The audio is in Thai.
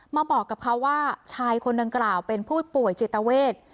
มาบอกกับเขาว่าชายคนดังกล่าวเป็นผู้ป่วยจิตเวท